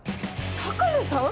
鷹野さん！？